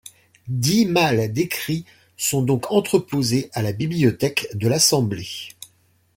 Dix malles d'écrits sont donc entreposées à la Bibliothèque de l'Assemblée.